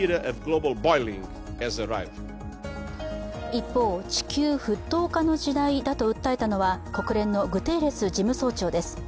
一方、地球沸騰化の時代だと訴えたのは国連のグテーレス事務総長です。